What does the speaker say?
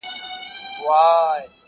بیرته یوسه خپل راوړي سوغاتونه!.